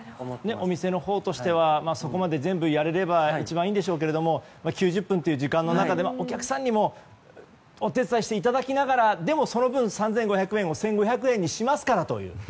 お店のほうとしてはそこまで全部やれれば一番いいんでしょうが９０分という時間の中ではお客様にもお手伝いしていただきながらでもその分、３５００円を１５００円にしますからと。